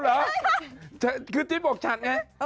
อ้าวเหรอคือจิ๊บปกชัดไง